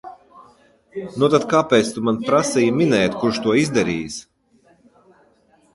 Nu tad kāpēc tu man prasīji minēt, kurš to izdarījis?